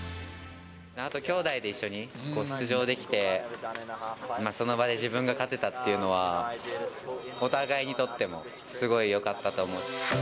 あと兄弟で一緒に出場できて、その場で自分が勝てたっていうのは、お互いにとってもすごいよかったと思う。